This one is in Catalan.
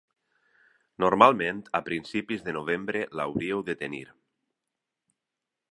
Normalment a principis de novembre l'hauríeu de tenir.